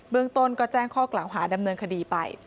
เมืองต้นก็แจ้งข้อกล่าวหาดำเนินคดีไป